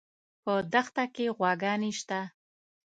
په دښته کې غواګانې شته